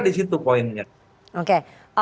disitu poinnya oke